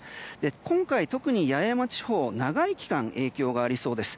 今回、特に八重山地方長い期間影響がありそうです。